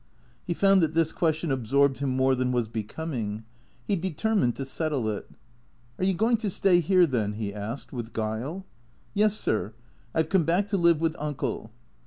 He found that this question absorbed him more than was be coming. He determined to settle it. " Are you going to stay here, then ?" he asked, with guile. " Yes, sir. I 've come back to live with Uncle."